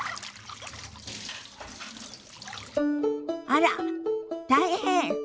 あら大変！